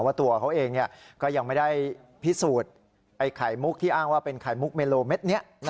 ว่าตัวเขาเองก็ยังไม่ได้พิสูจน์ไข่มุกที่อ้างว่าเป็นไข่มุกเมโลเม็ดนี้